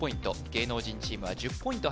芸能人チームは１０ポイント入ります